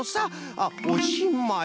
あっおしまい」。